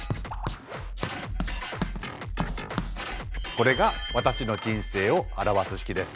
これが私の人生を表す式です。